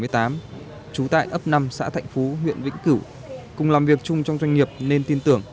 trú tại ấp năm xã thạnh phú huyện vĩnh cửu cùng làm việc chung trong doanh nghiệp nên tin tưởng